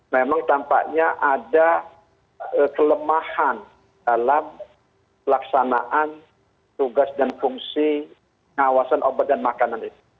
memang tampaknya ada kelemahan dalam pelaksanaan tugas dan fungsi pengawasan obat dan makanan itu